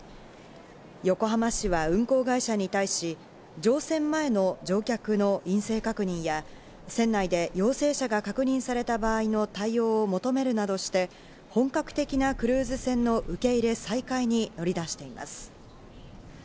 横浜市は運航会社に対し、乗船前の乗客の陰性確認や、船内で陽性者が確認された場合の対応を求めるなどして、本格的なクルーズ船の受け入れ再開に乗り出しています。